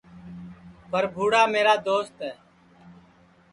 برپھوئاڑا میرا دوست ہے